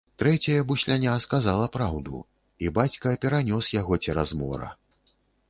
Трэцяе бусляня сказала праўду, і бацька перанёс яго цераз мора.